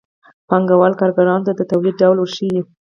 پانګوال کارګرانو ته د تولید ډول ورښيي